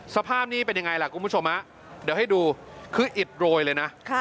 สภาพนี้เป็นยังไงล่ะคุณผู้ชมฮะเดี๋ยวให้ดูคืออิดโรยเลยนะ